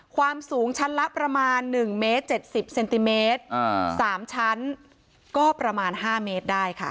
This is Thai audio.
ความสูงชั้นละประมาณหนึ่งเมตรเจ็ดสิบเซนติเมตรอ่าสามชั้นก็ประมาณห้าเมตรได้ค่ะ